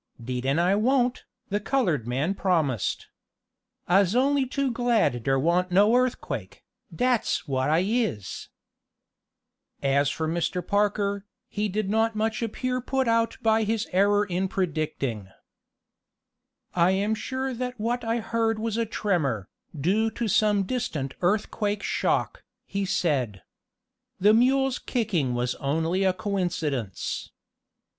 "'Deed an' I won't," the colored man promised. "I'se only too glad dere wa'n't no earthquake, dat's what I is." As for Mr. Parker, he did not appear much put out by his error in predicting. "I am sure that what I heard was a tremor, due to some distant earthquake shock," he said. "The mule's kicking was only a coincidence."